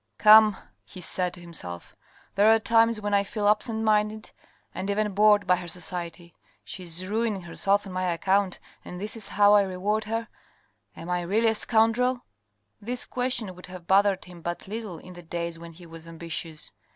" Come," he said to himself, " there are times when I feel absent minded and even bored by her society. She is ruining herself on my account, and this is how I reward her. Am I really a scoundrel?" This question would have bothered him but little in the days when he was ambitious.